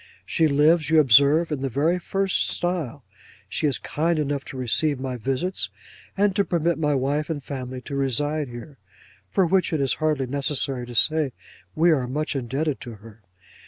She lives, you observe, in the very first style. She is kind enough to receive my visits, and to permit my wife and family to reside here; for which it is hardly necessary to say, we are much indebted to her.